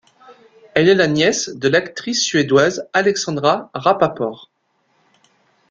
Elle est la nièce de l'actrice suédoise Alexandra Rapaport.